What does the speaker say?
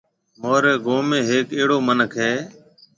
مهوريَ گوم ۾ هيَڪ اهڙو مِنک هيَ۔